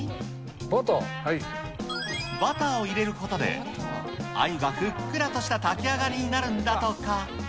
バターを入れることで、あゆがふっくらとした炊き上がりになるんだとか。